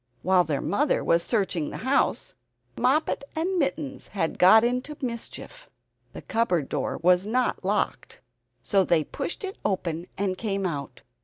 While their mother was searching the house, Moppet and Mittens had got into mischief. The cupboard door was not locked, so they pushed it open and came out.